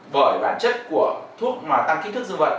bởi bản chất của thuốc mà tăng kích thước dương vật